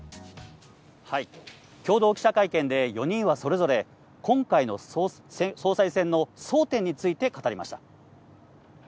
共同記者会見で４人はそれぞれ、今回の総裁選の争点について語りました。